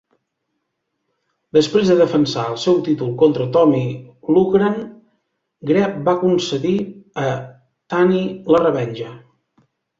Després de defensar el seu títol contra Tommy Loughran, Greb va concedir a Tunney la revenja.